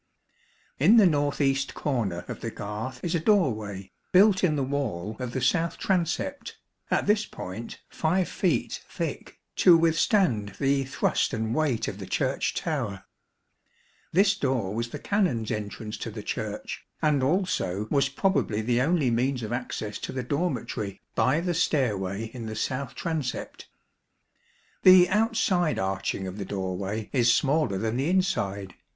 In the north east corner of the garth is a doorway, built in the wall of the south transept, at this point 5 feet thick, to withstand the thrust and weight of the Church tower. This door was the Canons' entrance to the Church, and also was probably the only means of access to the dormitory by the stairway in the south transept. The outside arching of the doorway is smaller than the inside.